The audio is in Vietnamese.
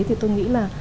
thì tôi nghĩ là